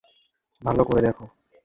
ভালো করে দেখো।